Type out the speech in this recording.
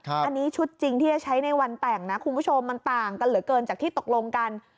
อันนี้ชุดจริงที่จะใช้ในวันแต่งนะคุณผู้ชมมันต่างกันเหลือเกินจากที่ตกลงกัน